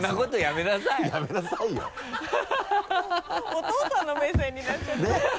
お父さんの目線になっちゃった。ねぇ。